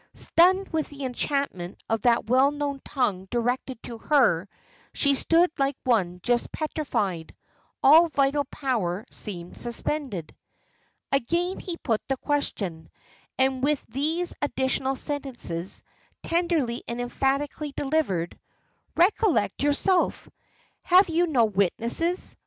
Stunned with the enchantment of that well known tongue directed to her, she stood like one just petrified all vital power seemed suspended. Again he put the question, and with these additional sentences, tenderly and emphatically delivered "Recollect yourself. Have you no witnesses?